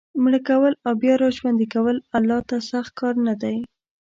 مړه کول او بیا را ژوندي کول الله ته سخت کار نه دی.